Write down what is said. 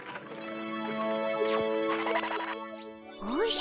おじゃ。